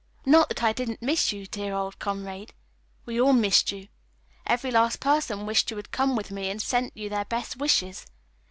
"Not that I didn't miss you, dear old comrade. We all missed you. Every last person wished you had come with me, and sent you their best wishes.